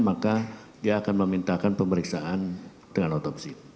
maka dia akan memintakan pemeriksaan dengan otopsi